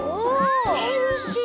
ヘルシー。